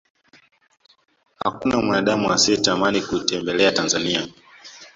hakuna mwanadamu asiyetamani kuitembelea tanzania